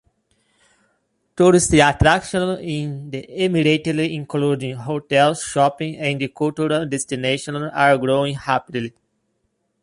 Tourist attractions in the emirate, including hotels, shopping and cultural destinations are growing rapidly.